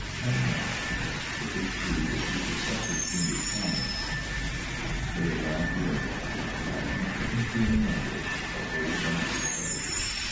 Out of line, somewhat, with this tree which he suspected screened his comrade, lay a huge windfall large enough to conceal in ambush a whole band of savages.